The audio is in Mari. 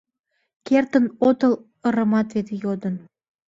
Кертын отыл ырымат вет йодын